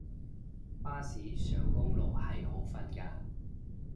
巴士上公路係好瞓嘅